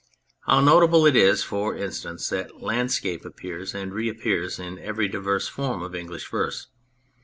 How notable it is, for instance, that Landscape appears and reappears in every diverse form of English verse.